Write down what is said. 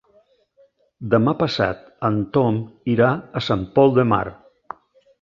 Demà passat en Tom irà a Sant Pol de Mar.